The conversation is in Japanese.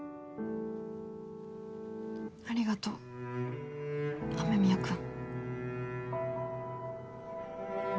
ありがとう雨宮くん。